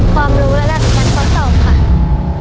ความรู้ระดับชั้นสองค่ะ